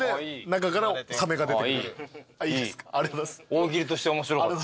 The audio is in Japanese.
大喜利として面白かった。